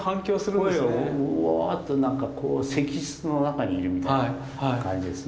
声もうぉっと何か石室の中にいるみたいな感じですね。